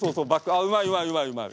あうまいうまいうまいうまい。